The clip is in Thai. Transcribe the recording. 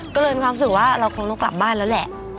ก็เลยมีความรู้สึกว่าเราคงต้องกลับบ้านแล้วแหละ